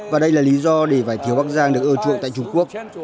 và đây là lý do để vải thiều bắc giang được ưa chuộng tại trung quốc